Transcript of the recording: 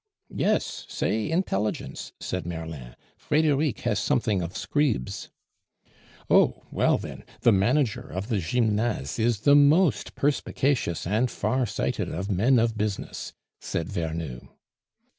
"Yes, say intelligence," said Merlin; "Frederic has something of Scribe's." "Oh! Well, then, the manager of the Gymnase is the most perspicacious and far sighted of men of business," said Vernou.